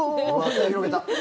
手、広げた。